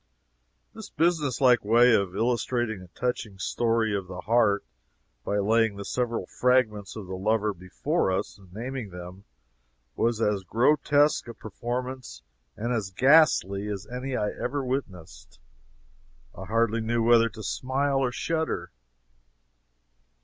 This business like way of illustrating a touching story of the heart by laying the several fragments of the lover before us and naming them, was as grotesque a performance, and as ghastly, as any I ever witnessed. I hardly knew whether to smile or shudder.